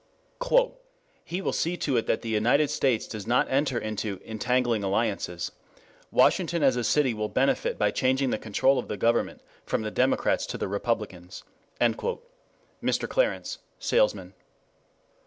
"He will see to it that the United States does not enter into 'entangling alliances,' Washington as a city will benefit by changing the control of the government from the Democrats to the Republicans." Mr. Clarence , salesman.